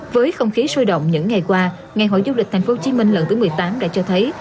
với không khí sôi động những ngày qua ngày hội du lịch tp hcm lần thứ một mươi tám đã cho thấy